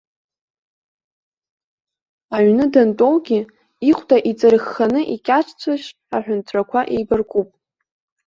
Аҩны дантәоугьы, ихәда иҵарххны икьаҿ цәыш аҳәынҵәрақәа еибаркуп.